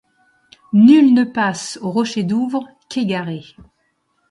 Nul ne passe aux rochers Douvres qu’égaré.